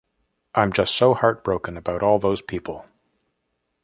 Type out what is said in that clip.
I'm just so brokenhearted about all those people.